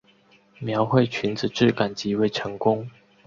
描绘裙子质感极为成功